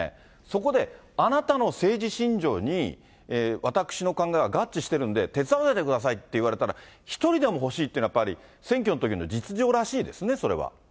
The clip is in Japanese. そこで、あなたの政治信条に私の考えは合致してるんで、手伝わせてくださいって言われたら、１人でも欲しいってのは、選挙のときの実情らしいですね、それは。